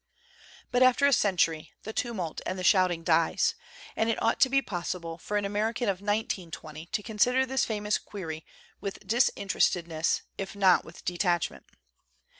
But after a century, "the tumult and the shouting dies"; and it ought to be possible for an American of 1920 to consider this famous query with disinterestedness if not with de tachment.